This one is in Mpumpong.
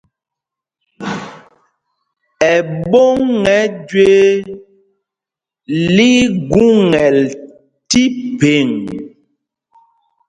Ɛɓôŋ ɛ́ Jüee lí í gúŋɛl tí phēŋ.